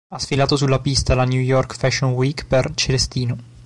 Ha sfilato sulla pista alla New York Fashion Week per "Celestino".